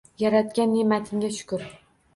Yaratgan ne’matingga shukur!